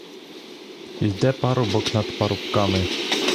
Йде парубок над парубками.